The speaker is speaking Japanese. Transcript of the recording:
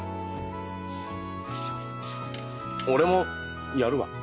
俺もやるわ。